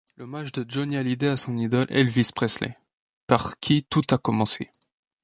L'hommage de Johnny Hallyday à son idole Elvis Presley, par qui tout a commencé.